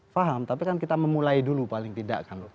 faham tapi kan kita memulai dulu paling tidak